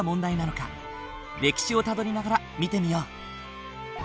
歴史をたどりながら見てみよう。